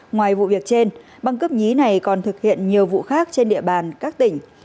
ngoài vụ việc trên băng cướp nhí này còn thực hiện nhiều vụ khác trên địa bàn các tỉnh